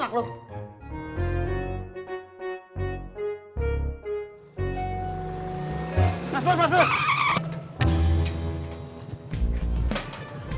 mas pur mas pur